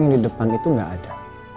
yang di depan itu nggak ada